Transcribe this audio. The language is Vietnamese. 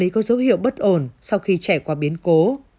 có dấu hiệu bất ổn sau khi trẻ qua biến cố